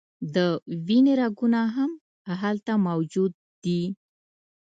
د وینې رګونه هم هلته موجود دي.